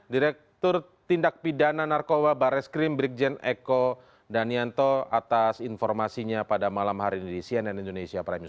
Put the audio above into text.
direktur tindak pidana narkoba bareskrim brigjen eko danyanto atas informasinya pada malam hari indonesia nn indonesia prime news